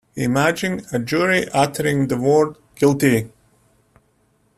He imagined a jury uttering the word "Guilty."